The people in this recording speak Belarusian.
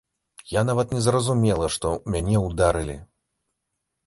Я нават не зразумела, што мяне ударылі.